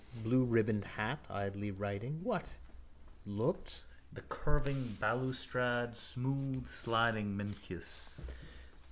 Blueribboned hat... Idly writing... What? Looked?... The curving balustrade: smoothsliding Mincius.